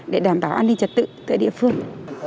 để đảm bảo an ninh trật tự tại địa phương